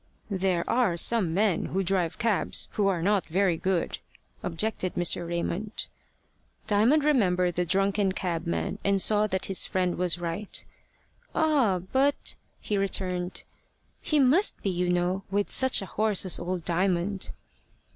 "There are some men who drive cabs who are not very good," objected Mr. Raymond. Diamond remembered the drunken cabman, and saw that his friend was right. "Ah, but," he returned, "he must be, you know, with such a horse as old Diamond."